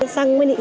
xăng mới nịnh